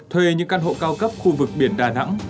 thuê những căn hộ cao cấp khu vực biển đà nẵng